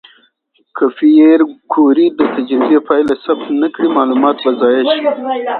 که پېیر کوري د تجربې پایله ثبت نه کړي، معلومات به ضایع شي.